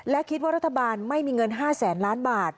และคิดว่ารัฐบาลไม่มีเงิน๕แสนล้านบาท